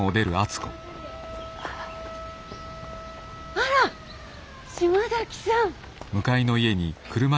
あら島崎さん。